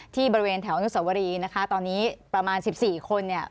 บริเวณแถวอนุสวรีนะคะตอนนี้ประมาณ๑๔คนเนี่ย